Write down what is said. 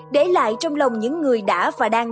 để lại trong lòng những người đã và đang